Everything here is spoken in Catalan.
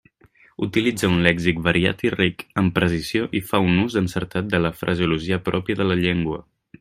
Utilitza un lèxic variat i ric, amb precisió, i fa un ús encertat de la fraseologia pròpia de la llengua.